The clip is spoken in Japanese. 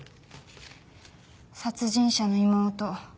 「殺人者の妹」